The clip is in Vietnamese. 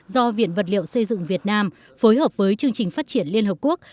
do viện vật liệu xây dựng việt nam phối hợp với chương trình phát triển liên hợp quốc